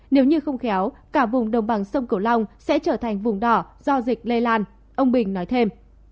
nếu như không khéo cả vùng đồng bằng sông cửu long sẽ trở thành vùng đỏ do dịch lây lan ông bình nói thêm